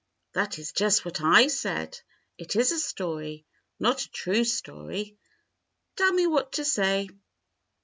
"That is just what I said. It is a story, not a true story. Tell me what to say."